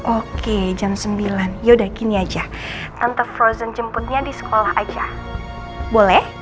oke jam sembilan yaudah gini aja ntar frozen jemputnya di sekolah aja boleh